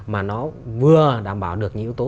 mà nó vừa đảm bảo được những yếu tố